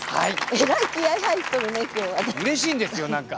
えらい気合い入っとるね今日はね。うれしいんですよ何か。